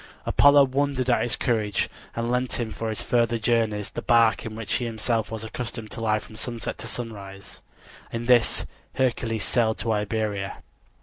Apollo wondered at his courage and lent him for his further journeys the bark in which he himself was accustomed to lie from sunset to sunrise. In this Hercules sailed to Iberia.